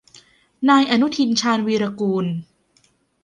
นายอนุทิน ชาญวีรกูล